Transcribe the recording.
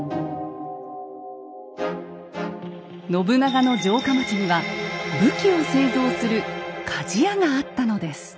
信長の城下町には武器を製造する鍛冶屋があったのです。